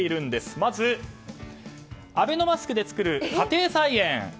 まず、アベノマスクで作る家庭菜園。